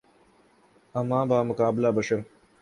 اماں بمقابلہ بشر